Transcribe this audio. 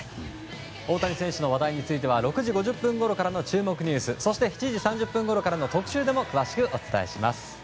大谷選手の話題については６時５０分ごろの注目ニュースそして７時３０分ごろから特集でも詳しくお伝えします。